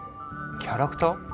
キャラクター？